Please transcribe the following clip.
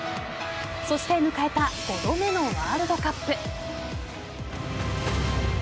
そして迎えた５度目のワールドカップ。